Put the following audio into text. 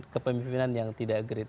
kepemimpinan yang tidak great